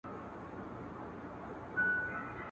چي غوايي غوښو ته وکتل حیران سو `